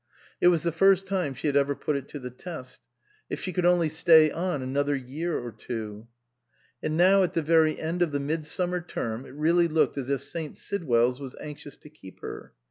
It was the first time she had ever put it to the test. If she could only stay on another year or two And now at the very end of the midsummer term it really looked as if St. Sidwell's was anxious to keep her.